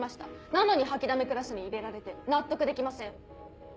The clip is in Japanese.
なのに掃きだめクラスに入れられて納得できません。